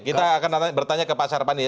kita akan bertanya ke pak sarpani ya